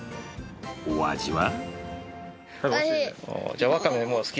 お味は？